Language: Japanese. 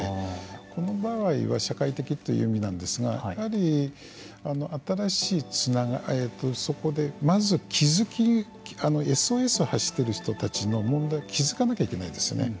この場合は社会的という意味なんですがまず気付きＳＯＳを発している人たちの問題に気付かないといけないですね。